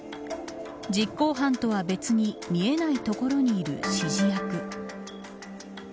実行犯とは別に見えないところにいる指示役。